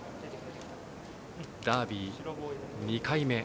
ダービー２回目。